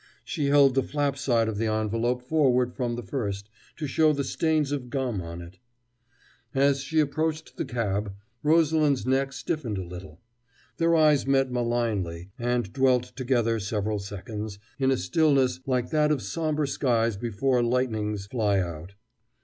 She held the flap side of the envelope forward from the first, to show the stains of gum on it. As she approached the cab, Rosalind's neck stiffened a little. Their eyes met malignly, and dwelt together several seconds, in a stillness like that of somber skies before lightnings fly out.